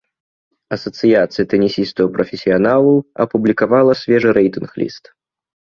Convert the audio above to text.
Асацыяцыя тэнісістаў-прафесіяналаў апублікавала свежы рэйтынг ліст.